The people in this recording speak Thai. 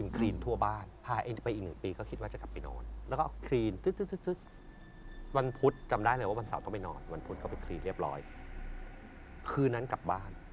คืนนั้นกลับบ้าน